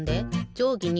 じょうぎ２